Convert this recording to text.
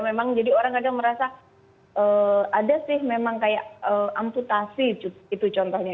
memang jadi orang kadang merasa ada sih memang kayak amputasi itu contohnya